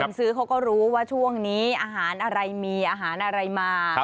ซื้อเขาก็รู้ว่าช่วงนี้อาหารอะไรมีอาหารอะไรมา